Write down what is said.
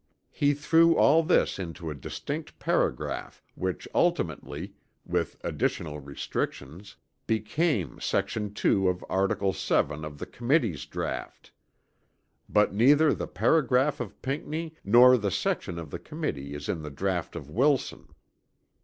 He threw all this into a distinct paragraph which ultimately, with additional restrictions, became section 2 of article VII of the Committee's draught. But neither the paragraph of Pinckney nor the section of the Committee is in the draught of Wilson.